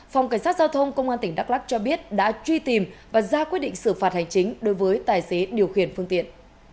phòng cảnh sát giao thông công an tỉnh đắk lắc cho biết đã truy tìm và ra quyết định xử phạt hành chính đối với tài xế điều khiển phương tiện